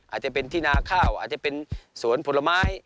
อาจจะเป็นที่นาข้าวอาจจะเป็นสวนผลไม้